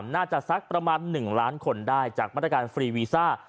สักประมาณ๑ล้านคนได้จากมาตรการฟรีวีซ่า